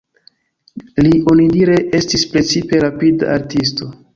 Li onidire estis precipe rapida artisto.